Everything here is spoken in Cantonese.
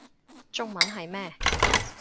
中文係咩